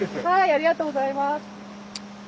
ありがとうございます。